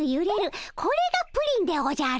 これがプリンでおじゃる。